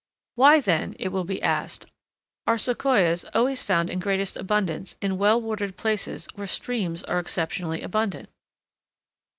"Why, then," it will be asked, "are Sequoias always found in greatest abundance in well watered places where streams are exceptionally abundant?"